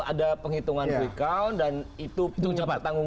ada penghitungan recount dan itu itu tanggung jawabannya sendiri